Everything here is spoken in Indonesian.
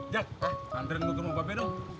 jak santren gue ke mopapedo